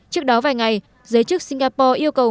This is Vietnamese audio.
trước đó vài ngày giới chức singapore yêu cầu